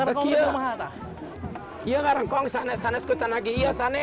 sekarang saris kita makan